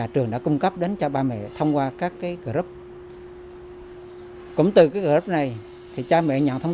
trường đã cung cấp đến cho ba mẹ thông qua các cái group cũng từ cái group này thì cha mẹ nhận thông